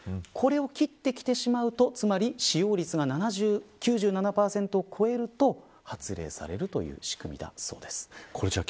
これを切ってきてしまうとつまり使用率が９７％を超えると発令されるという仕組みだそうです。